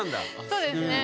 そうですね。